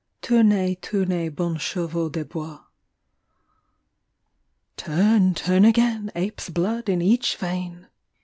" TOURNEZ, TOURNEZ, BON CHEVAUX DE BOIS." TURN, turn again, Ape's blood in each vein